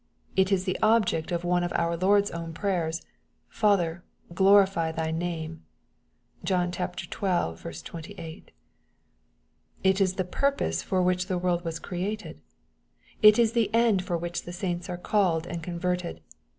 It is the object of one of our Lord's own prayers :" Father, glorify thy name." (John xii. 28.) It is the purpose for which the world was created. It is the end for which the saints are called and con verted.